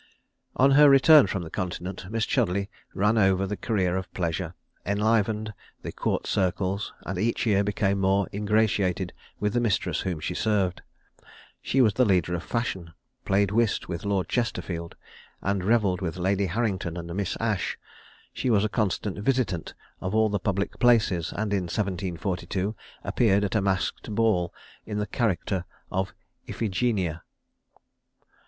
On her return from the Continent Miss Chudleigh ran over the career of pleasure, enlivened the court circles, and each year became more ingratiated with the mistress whom she served. She was the leader of fashion, played whist with Lord Chesterfield, and revelled with Lady Harrington and Miss Ashe. She was a constant visitant at all public places, and in 1742 appeared at a masked ball in the character of Iphigenia.